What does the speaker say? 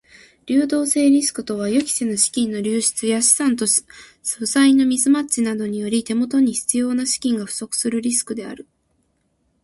流動性リスクとは予期せぬ資金の流出や資産と負債のミスマッチ等により手元に必要な資金が不足するリスクである。